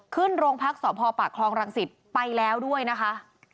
ขึ้นโรงพักษพปากคลองรังสิตไปแล้วด้วยนะคะ